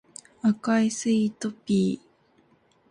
赤いスイートピー